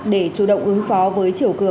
để chủ động ứng phó với chiều cửa